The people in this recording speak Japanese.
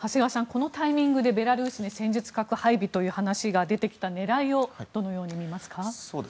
このタイミングでベラルーシに戦術核配備という話が出てきた狙いをどのように見ますか？